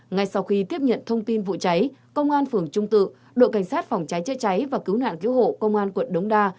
ngay sau khi tiếp nhận thông tin vụ cháy công an phường trung tự đội cảnh sát phòng cháy chữa cháy và cứu nạn cứu hộ công an quận đống đa